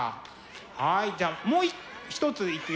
はいじゃあもう一ついくよ！